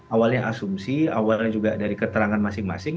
awalnya asumsi awalnya juga dari keterangan masing masing